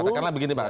katakanlah begini pak